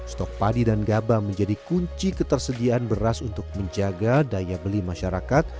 stok padi dan gabah menjadi kunci ketersediaan beras untuk menjaga daya beli masyarakat